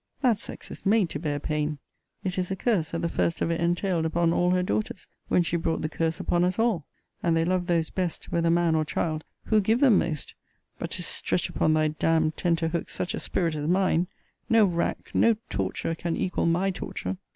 That sex is made to bear pain. It is a curse that the first of it entailed upon all her daughters, when she brought the curse upon us all. And they love those best, whether man or child, who give them most But to stretch upon thy d d tenter hooks such a spirit as mine No rack, no torture, can equal my torture!